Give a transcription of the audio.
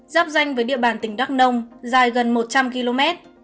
giáp danh với địa bàn tỉnh đắk nông dài gần một trăm linh km